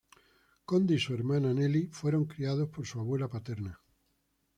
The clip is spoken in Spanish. Conde y su hermana Nelly fueron criados por su abuela paterna.